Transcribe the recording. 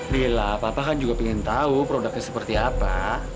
bila papa kan juga ingin tahu produknya seperti apa